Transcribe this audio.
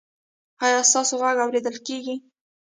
ایا ستاسو غږ اوریدل کیږي؟